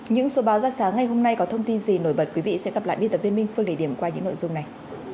những số báo ra sáng ngày hôm nay có thông tin gì nổi bật quý vị sẽ gặp lại biên tập viên minh phương để điểm qua những nội dung này